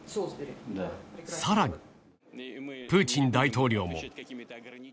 さらに、プーチン大統領も。